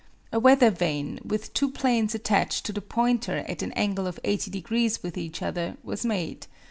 A weather vane, with two planes attached to the pointer at an angle of 80 degrees with each other, was made.